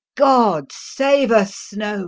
u God save us, Snoad!